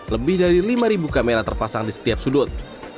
lebih dari lima kamera terpasang di setiap sudut